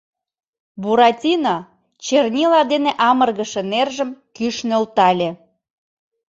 Буратино чернила дене амыргыше нержым кӱш нӧлтале.